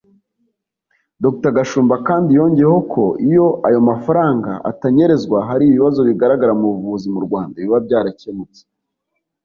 Dr Gashumba kandi yongeyeho ko iyo ayo mafaranga atanyerezwa hari ibibazo bigaragara mu buvuzi mu Rwanda biba byarakemutse